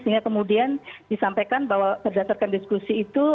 sehingga kemudian disampaikan bahwa berdasarkan diskusi itu